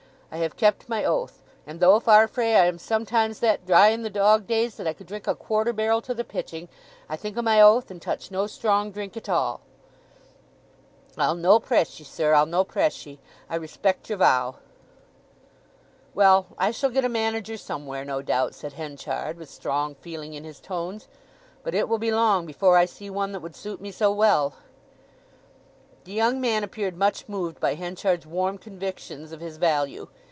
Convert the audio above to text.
I have kept my oath; and though, Farfrae, I am sometimes that dry in the dog days that I could drink a quarter barrel to the pitching, I think o' my oath, and touch no strong drink at all." "I'll no' press ye, sir—I'll no' press ye. I respect your vow." "Well, I shall get a manager somewhere, no doubt," said Henchard, with strong feeling in his tones. "But it will be long before I see one that would suit me so well!" The young man appeared much moved by Henchard's warm convictions of his value.